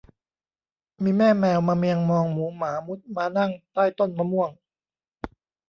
มีแม่แมวมาเมียงมองหมูหมามุดม้านั่งใต้ต้นมะม่วง